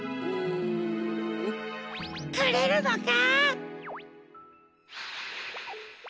くれるのか？